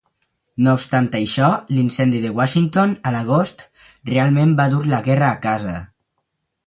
No obstant això, l'incendi de Washington, a l'agost, realment va dur la guerra a casa.